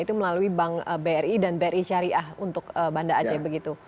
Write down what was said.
itu melalui bank bri dan bri syariah untuk banda aceh begitu